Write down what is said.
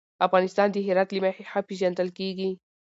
افغانستان د هرات له مخې ښه پېژندل کېږي.